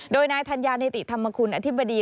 โดยนายธัญญานิติธรรมคุณอธิบดี